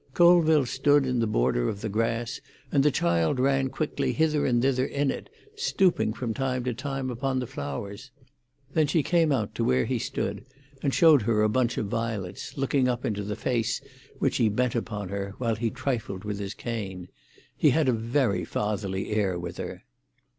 Colville stood in the border of the grass, and the child ran quickly hither and thither in it, stooping from time to time upon the flowers. Then she came out to where he stood, and showed her bunch of violets, looking up into the face which he bent upon her, while he trifled with his cane. He had a very fatherly air with her.